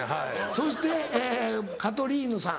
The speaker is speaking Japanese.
そしてえカトリーヌさん。